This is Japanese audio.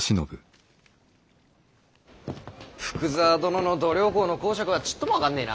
福沢殿の度量衡の講釈はちっとも分かんねぇな。